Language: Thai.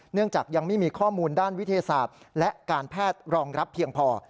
จากยังไม่มีข้อมูลด้านวิทยาศาสตร์และการแพทย์รองรับเพียงพอ